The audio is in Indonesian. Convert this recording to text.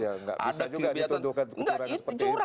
ya nggak bisa juga dituduhkan kecurangan seperti itu